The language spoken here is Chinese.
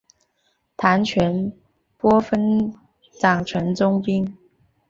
谭全播分掌城中兵。